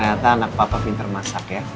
ternyata anak papa pinter masak ya